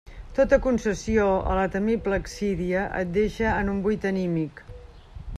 Tota concessió a la temible accídia et deixa en un buit anímic.